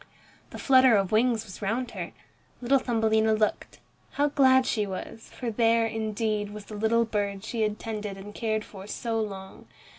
The flutter of wings was round her. Little Thumbelina looked. How glad she was, for there, indeed, was the little bird she had tended and cared for so long.